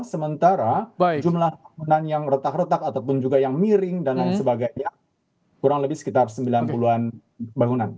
sementara jumlah bangunan yang retak retak ataupun juga yang miring dan lain sebagainya kurang lebih sekitar sembilan puluh an bangunan